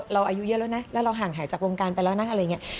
อายุเยอะแล้วนะแล้วเราห่างหายจากวงการไปแล้วนะอะไรอย่างนี้